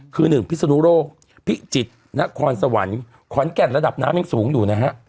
คือ๑พิศนุโรคพิจิตรนครสวรรค์ขอนแก่นระดับน้ำยังสูงอยู่นะฮะ